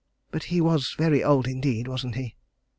But he was very old indeed, wasn't he?"